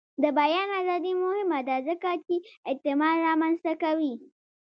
د بیان ازادي مهمه ده ځکه چې اعتماد رامنځته کوي.